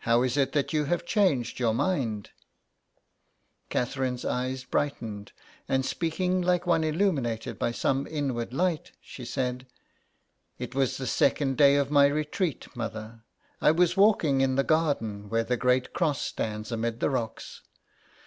How is it that you have changed your mind ?" Catherine's eyes brightened, and speaking like one illuminated by some inward light, she said :It was the second day of my retreat, mother. I was walking in the garden where the great cross stands amid the rocks.